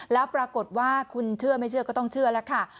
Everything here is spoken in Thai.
แล้วปรากฏว่าคุณเชื่อไม่เชื่อก็ต้องเชื่อแล้วค่ะ